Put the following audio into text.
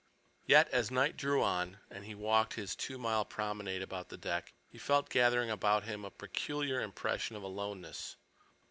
Yet, as night drew on, and he walked his two mile promenade about the deck, he felt gathering about him a peculiar impression of aloneness.